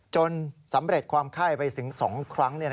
จนสำเร็จความไข้ไปถึง๒ครั้ง